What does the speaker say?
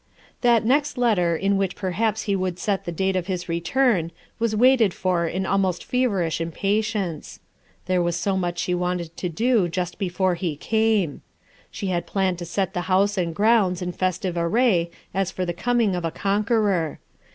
That next letter in which perhaps he would set the date of his return was waited for in almost feverish impatience. There was so much she wanted to do just before he came. She had A SPOILED MOTHER 107 planned to set the house and grounds in festive array as for the coming of a conqueror.